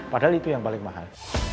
padahal itu yang paling mahal